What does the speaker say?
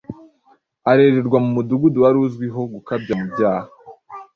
arererwa mu mudugudu wari uzwi ho gukabya mu byaha.